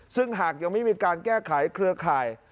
ซึ่งหากยังไม่มีการแก้ไขเครือข่าย